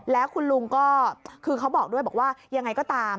แล้วคุณลุงก็คือเขาบอกด้วยบอกว่ายังไงก็ตาม